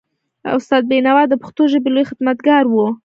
استاد بینوا د پښتو ژبې لوی خدمتګار و.